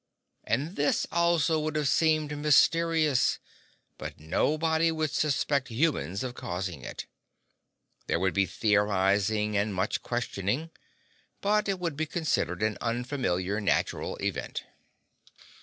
And this also would have seemed mysterious. But nobody would suspect humans of causing it. There would be theorizing and much questioning, but it would be considered an unfamiliar natural event.